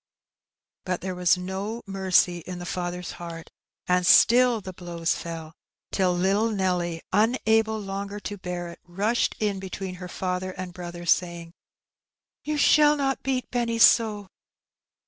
But there was no mercy in the father's heart, and still the blows fell, till little Nelly, unable longer to bear it, rushed in between her father and brother, saying, ^^You shall not beat Benny so."